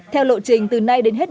theo lộ trình từ nay đến hết